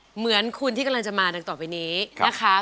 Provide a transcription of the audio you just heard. เหมือนคุณที่กำลังจะมาดังต่อไปนี้นะคะ